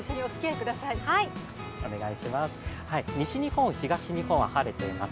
西日本、東日本は晴れています。